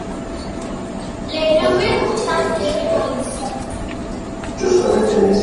La Neuville-Chant-d'Oisel